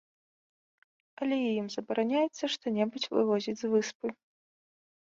Але і ім забараняецца што-небудзь вывозіць з выспы.